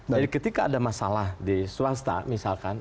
jadi ketika ada masalah di swasta misalkan